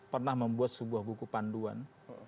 pernah membuat sebuah buku panduan